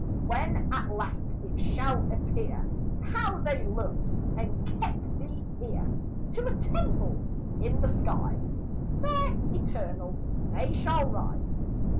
When at last it shall appear How they loved and kept thee here, To a temple in the skies, Fair, eternal, they shall rise.